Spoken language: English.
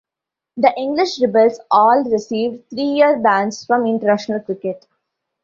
The English rebels all received three-year bans from international cricket.